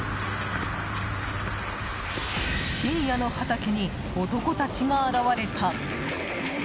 深夜の畑に、男たちが現れた！